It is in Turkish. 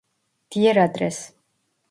Diğer adres